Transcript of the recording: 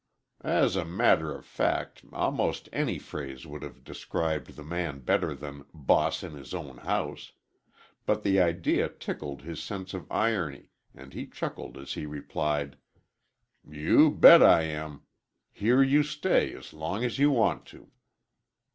As a matter of fact almost any phrase would have described the man better than "boss in his own house," but the idea tickled his sense of irony, and he chuckled as he replied, "You bet I am! Here you stay—as long as you want to."